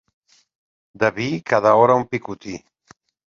De vi, cada hora un picotí.